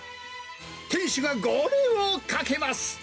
店主が号令をかけます。